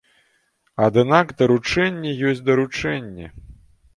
Аднак даручэнне ёсць даручэнне.